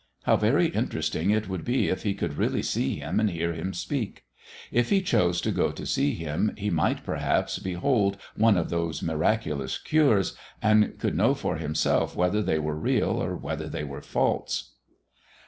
How very interesting it would be if he could really see Him and hear Him speak. If he chose to go to see Him he might perhaps behold one of those miraculous cures, and could know for himself whether they were real or whether they were false.